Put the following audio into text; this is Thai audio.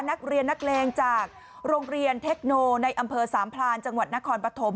นักเรียนนักเลงจากโรงเรียนเทคโนในอำเภอสามพลานจังหวัดนครปฐม